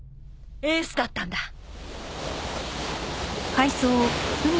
エースだったんだ。